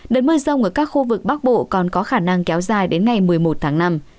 đợt mưa rông ở các khu vực bắc bộ còn có khả năng kéo dài đến ngày một mươi một tháng năm